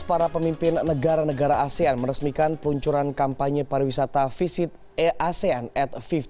para pemimpin negara negara asean meresmikan peluncuran kampanye pariwisata visit asean at lima puluh